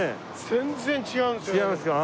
全然違うんですよ。